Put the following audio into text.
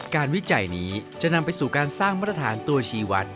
วิจัยนี้จะนำไปสู่การสร้างมาตรฐานตัวชีวัตร